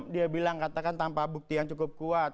dia bilang katakan tanpa bukti yang cukup kuat